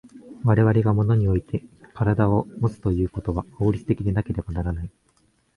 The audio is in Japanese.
我々が物において身体をもつということは法律的でなければならない。